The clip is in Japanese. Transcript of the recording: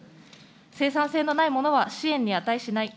生産性のない者は支援に値しない。